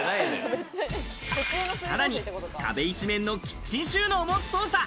さらに、壁一面のキッチン収納も捜査。